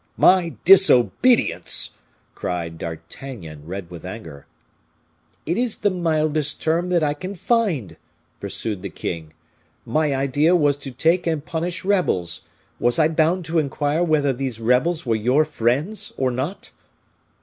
"My disobedience!" cried D'Artagnan, red with anger. "It is the mildest term that I can find," pursued the king. "My idea was to take and punish rebels; was I bound to inquire whether these rebels were your friends or not?"